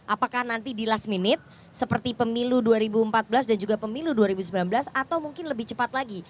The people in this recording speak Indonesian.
apakah nanti di last minute seperti pemilu dua ribu empat belas dan juga pemilu dua ribu sembilan belas atau mungkin lebih cepat lagi